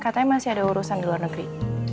katanya masih ada urusan di luar negeri